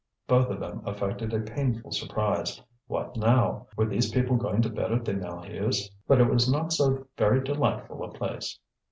Both of them affected a painful surprise. What now? Were these people going to bed at the Maheus'? But it was not so very delightful a place.